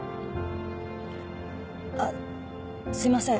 あっすいません